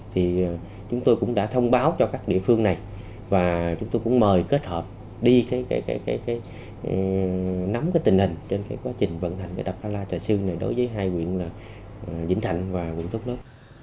thì chúng tôi cũng đã thông báo cho các địa phương này và chúng tôi cũng mời kết hợp đi nắm cái tình hình trên cái quá trình vận hành đập lá trà sương này đối với hai huyện là vĩnh thạnh và quận thúc lớp